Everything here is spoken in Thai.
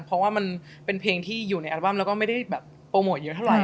เพราะว่ามันเป็นเพลงที่อยู่ในอัลบั้มแล้วก็ไม่ได้แบบโปรโมทเยอะเท่าไห